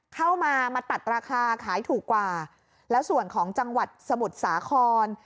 เข้ามามาตัดราคาขายถูกกว่าแล้วส่วนของจังหวัดสมุทรสาคร